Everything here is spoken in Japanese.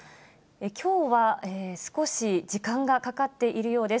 きょうは少し時間がかかっているようです。